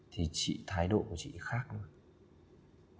thì chị thái độ của chị khác luôn